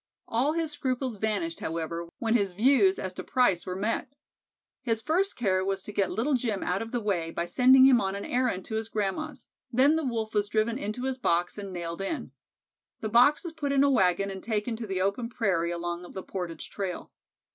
All his scruples vanished, however, when his views as to price were met. His first care was to get Little Jim out of the way by sending him on an errand to his grandma's; then the Wolf was driven into his box and nailed in. The box was put in a wagon and taken to the open prairie along the Portage trail.